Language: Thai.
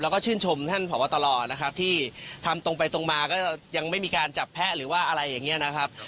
แล้วก็ชื่นชมท่านผอบตรนะครับที่ทำตรงไปตรงมาก็ยังไม่มีการจับแพะหรือว่าอะไรอย่างนี้นะครับ